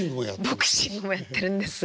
ボクシングもやってるんです。